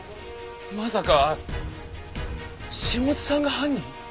まさか下津さんが犯人？